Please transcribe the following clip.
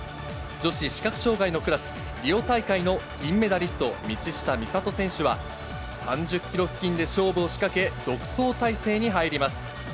女子視覚障がいのクラス、リオ大会の銀メダリスト、道下美里選手は、３０キロ付近で勝負を仕掛け、独走態勢に入ります。